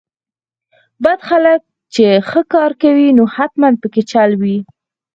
بد خلک چې ښه کار کوي نو حتماً پکې چل وي.